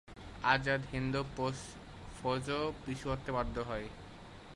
আজাদ হিন্দ ফৌজও পিছু হটতে বাধ্য হয়।